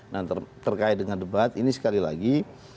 nah terkait dengan debat ini sekali lagi